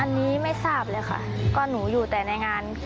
อันนี้ไม่ทราบเลยค่ะก็หนูอยู่แต่ในงาน